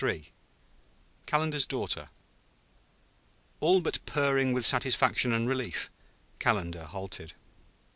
III CALENDAR'S DAUGHTER All but purring with satisfaction and relief, Calendar halted.